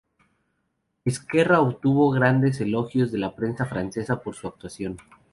Ezquerra obtuvo grandes elogios de la prensa francesa por su actuación.